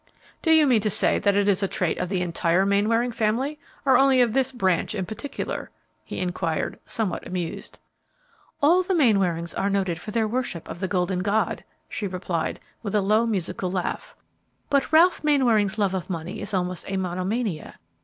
"Do you mean to say that it is a trait of the entire Mainwaring family, or only of this branch in particular?" he inquired, somewhat amused. "All the Mainwarings are noted for their worship of the golden god," she replied, with a low musical laugh; "but Ralph Mainwaring's love of money is almost a monomania.